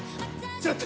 ちょっと！